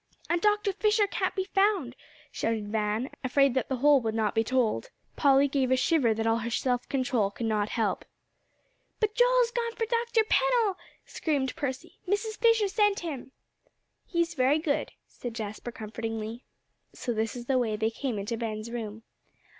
"And Dr. Fisher can't be found," shouted Van, afraid that the whole would not be told. Polly gave a shiver that all her self control could not help. "But Joel's gone for Dr. Pennell," screamed Percy; "Mrs. Fisher sent him." "He's very good," said Jasper comfortingly. So this is the way they came into Ben's room.